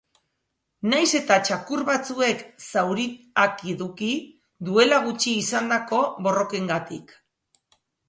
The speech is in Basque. Nahiz eta txakur batzuek zauriak eduki, duela gutxi izandako borrokengatik.